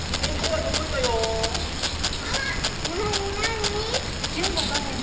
あっなになに？